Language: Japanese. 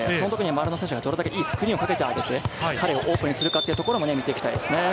周りの選手がどれだけいいスクリーンをかけてあげて、彼をオープンにするかも見ていきたいですね。